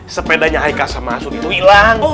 sepedanya aika sama asud itu ilang